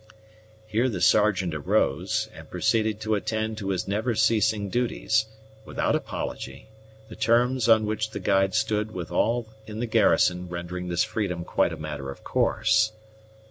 Here the Sergeant arose, and proceeded to attend to his never ceasing duties, without apology; the terms on which the guide stood with all in the garrison rendering this freedom quite a matter of course.